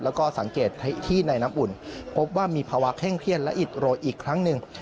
แล้วก็สังเกตที่ในน้ำอุ่นพบว่ามีภาวะเคร่งเครียดและอิดโรยอีกครั้งหนึ่ง